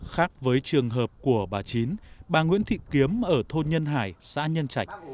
khác với trường hợp của bà chín bà nguyễn thị kiếm ở thôn nhân hải xã nhân trạch